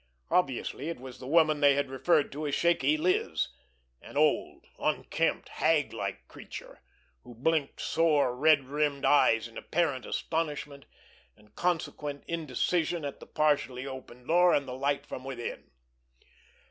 Obviously, it was the woman they had referred to as Shaky Liz—an old, unkempt, hag like creature, who blinked sore, red rimmed eyes in apparent astonishment and consequent indecision at the partially open door and the light from within.